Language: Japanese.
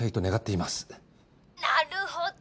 なるほど！